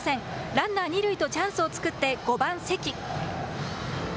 ランナー、二塁とチャンスを作って５番・関。